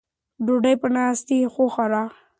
ډوډۍ په ناستې وخورئ.